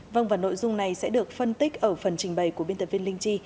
vâng và nội dung này sẽ được phân tích ở phần trình bày của biên tập viên linh chi